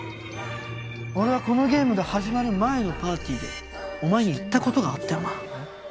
俺はこのゲームが始まる前のパーティーでお前に言った事があったよな？